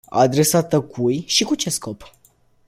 Adresată cui și cu ce scop?